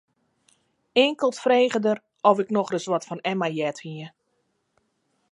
Inkeld frege er oft ik noch ris wat fan Emma heard hie.